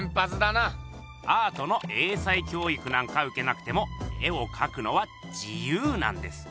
アートの英才教育なんかうけなくても絵をかくのは自由なんです。